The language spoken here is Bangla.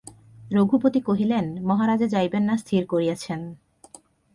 রঘুপতি কহিলেন, মহারাজ যাইবেন না স্থির করিয়াছেন।